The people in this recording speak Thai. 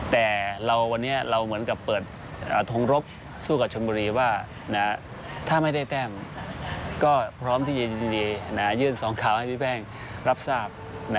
แต่วันนี้เราเหมือนกับเปิดทงรบสู้กับชนบุรีว่าถ้าไม่ได้แต้มก็พร้อมที่จะยินดียื่นสองข่าวให้พี่แป้งรับทราบ